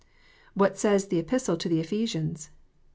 What says the Epistle to the Ephesians?